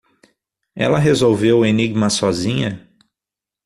Ela resolveu o enigma sozinha?